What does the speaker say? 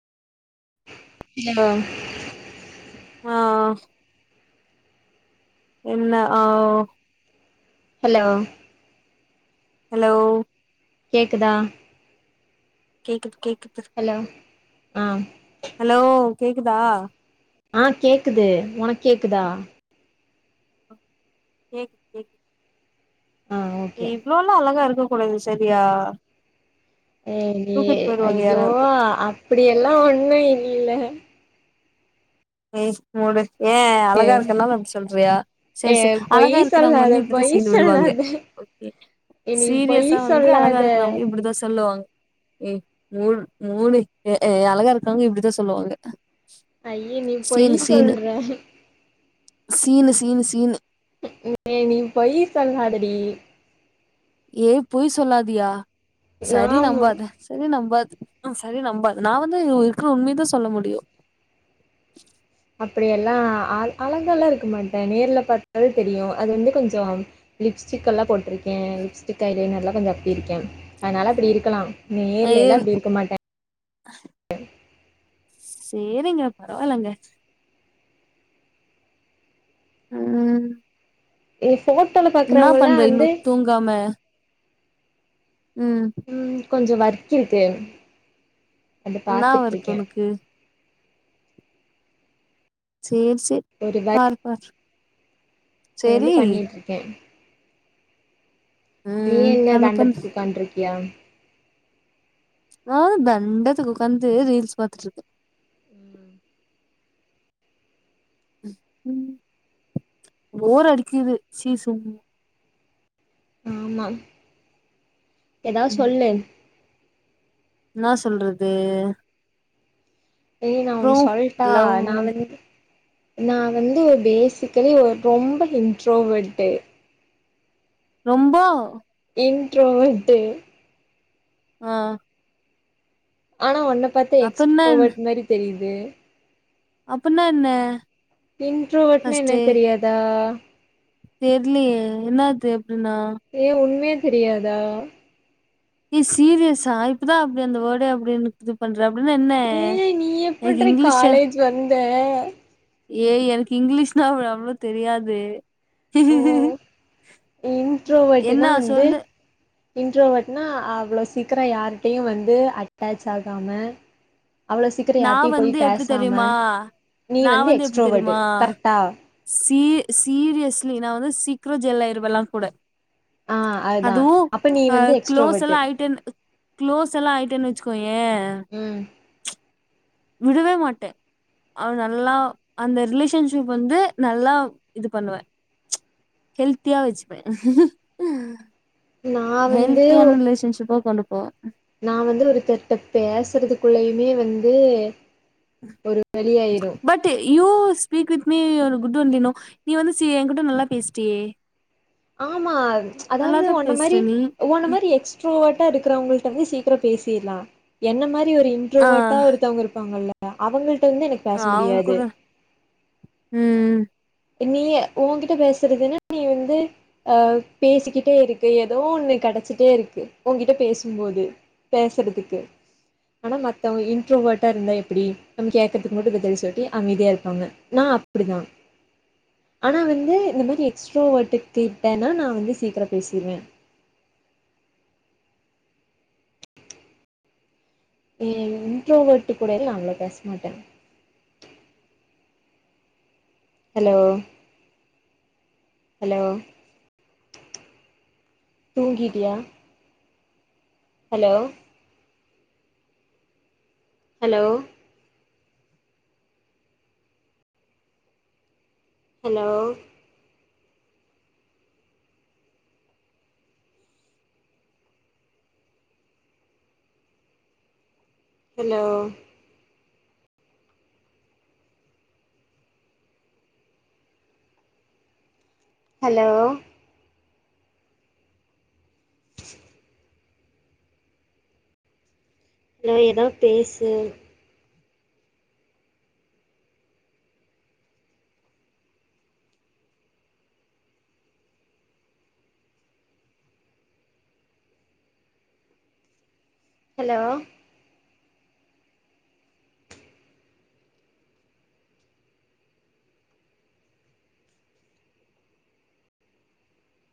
யா ஆ என்ன ஆ ஒ ஹலோ ஹலோ கேக்குதா கேக்குது கேக்குது ஹலோ ஆ ஹலோ கேக்குதா ஆ கேக்குது ஒனக் கேக்குதா கேக் கேக் ஆ ஓகே இவ்ளோலா அழகா இருக்க கூடாது சரியா ஏ நீ தூக்கிட்டு போயிருவாங்க அய்யோ யாராவது அப்டி எல்லா ஒண்ணு இல்ல இஷ் மூடு ஏ அழகா இருக்கனால அப்டி சொல்றியா சரி ஏ சரி பொய் அழகா இருக்கறவங்க சொல்லாத வந்து இப்டித்தா பொய் சீன் விடுவாங்க சொல்லாத ஓகே ஏ நீ பொய் சீரியஸா வந்து அழகா சொல்லாத இருக்கிறவங்க இப்டிதா சொல்லுவாங் ஏ மூட் மூடு எ அழகா இருக்கறவங்க இப்டிதா சொல்லுவாங்க ஐயே நீ பொய் சீனு சீனு சொல்ற சீனு சீனு சீனு ஏய் நீ பொய் சொல்லாதடி ஏ பொய் சொல்லாதியா சரி ஆமா நம்பாத சரி நம்பாத் சரி நம்பாத நா வந்து இருக்குற உண்மயதா சொல்ல முடியு அப்படி எல்லா அழகாலா இருக்க மாட்ட நேர்ல பார்த்தாலே தெரியு அது வந்து கொஞ்சோ லிப்ஸ்டிக் எல்லா போட்ருக்கே லிப்ஸ்டிக் ஐலைனர்லா கொஞ்ச அப்பி இருக்கே அதனால அப்டி இருக்கலா ஏ நேர்ல எல்லா இப்டி இருக்க மாட்ட சேரிங்க பரவால்லங்க ம் ஏ போட்டோல பாக்குறவங்கல்லா வந்து காம ம் ம் கொஞ்ச வர்க் இருக்கு அத என்னாவா இருக்கு பாத்துட்ருக்கே உனக்கு சேரி சேரி ஒரு பாரு பாரு அது வந்து சேரி பண்ணிட்ருக்கே நீ ம் என்ன பண்ணு பண்ணு தண்டத்துக்கு உக்காண்ருக்கியா நா தண்டத்துக்கு உட்காந்து ரீல்ஸ் பாத்துட்டு இருக்கே ம் ம் போர் அடிக்குது சீசும் ஆமா ஏதாவது ம் சொல்லு என்னா சொல்றது ஏ நா அப்றோ ஒன்னு சொல்ட்டா லவ் நா வந்து நா வந்து பேசிக்கலி ரொம்ப இன்ட்ரோவர்ட்டு ரொம்ப இண்ட்ரோவர்ட் ஆ ஆனா உன்ன பாத்தா அப்பன்னா என்ன எக்ஸ்ட்ரோவர்ட் மாரி தெரியுது அப்பன்னா என்ன இன்ட்ரோவட்னா என்னன்னு தெரியாதா தெரிலியே என்னாது அப்டின்னா ஏ உண்மே தெரியாதா ஏ சீரியஸா இப்பதா அப்டி அந்த வேர்டே இது பண்ற அப்டின்னா என்ன ஏ நீ எனக்கு எப்புட்ரி இங்கிலீஷ்ச காலேஜ் வந்த ஏய் எனக்கு இங்கிலீஷ்னா அவ் அவ்ளோ தெரியாது ஓ இன்ட்ரோவர்ட்னா என்னா வந்து சொல்லு இன்ட்ரோவட்னா அவ்ளோ சீக்கிர யார்ட்டையு வந்து அட்டாச் ஆகாம அவ்ளோ சீக்கிரம் நா யார்ட்டயு போய் வந்து எப்டி பேசாம தெரியுமா நீ நா வந்து எப்டி எக்ஸ்ட்ரோவட் தெரியுமா கரெக்டா சீ சீரியஸ்லி நா வந்து சீக்கிரம் ஜெல் ஆயிருவே எல்லார் கூட ஆ அதுதா அதுவு அப்ப நீ அ வந்து க்ளோஸ் எக்ஸ்ட்ரோவர்ட்டு எல்லா ஆய்ட்டு க்ளோஸ் எல்லா ஆயிட்டேன்னு வச்சுக்கோயே ம் விடவே மாட்ட ஆ நல்லா அந்த ரிலேஷன்ஷிப் வந்து நல்லா இது பண்ணுவே ஹெல்த்தியா வச்சுப்ப நா வந்து ஹெல்த்தியான ரிலேஷன்ஷிப்பா கொண்டுபோவ நா வந்து ஒருத்தர்ட்ட பேசுறதுக்குள்ளயுமே வந்து ஒரு வழியாயிரு ட்டு யூ ஸ்பீக் வித் மீ ஒரு ஃகுட் ஒன்லி யு நோ நீ வந்து சி எங்கிட்ட நல்லா பேசிட்டியே ஆமா அதாவது நல்லாதா ஒன்ன மாரி பேசுற நீ ஒன்ன மாரி எக்ஸ்ட்ரோவட்டா இருக்கிறவங்கள்ட வந்து சீக்கிரம் பேசிர்லா என்ன மாரி ஒரு இன் ஆ ட்ரோவட்டா ஒருத்தவங்க இருப்பாங்கல்ல அவங்கள்ட வந்து எனக் ஆ அவங்க கூட, ம் நீ உங்கிட்ட பேசுறதுன்னா நீ வந்து அ பேசிக்கிட்டே இருக்கு ஏதோ ஒண்ணு கெடச்சிட்டே இருக்கு ஒங்கிட்ட பேசும்போது பேசறதுக்கு ஆனா மத்தவங்க இன்ட்ரோவர்ட்டா இருந்தா எப்டி நம்ம கேட்கறதுக்கு மட்டு பதில் சொல்லிட்டு அமைதியா இருப்பாங்க நா அப்டிதா ஆனா வந்து இந்த மாரி எக்ஸ்ட்ரோவார்ட்டுகிட்டனா நா வந்து சீக்கிர பேசிருவே இன்ரோவர்ட் கூடலா நா அவ்ளோ பேச மாட்ட ஹலோ ஹலோ தூங்கிட்டியா hello hello hello hello hello லே எதனா பேசு ஹெலோ